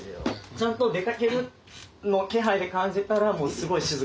ちゃんと出かけるのを気配で感じたらもうすごい静かになる。